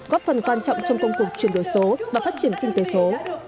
góp phần quan trọng trong công cuộc chuyển đổi số và phát triển kinh tế số